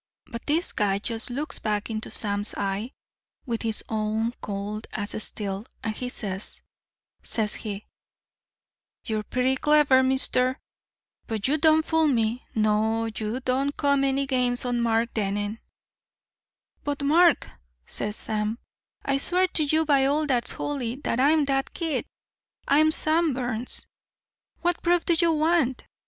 "But this guy just looks back into Sam's eye with his own cold as steel, and he says, says he: 'You're pretty clever, mister, but you don't fool me. No, you don't come any games on Mark Dennen.' "'But, Mark,' says Sam, 'I swear to you by all that's holy that I'm that kid I'm Sam Burns. What proof do you want?